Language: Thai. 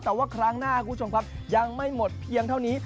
แต่ว่าครั้งหน้าคุณผู้ชมครับยังไม่หมดเพียงเท่านี้